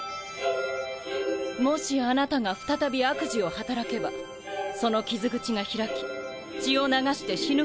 もしあなたが再び悪事を働けばその傷口が開き血を流して死ぬことになるでしょう。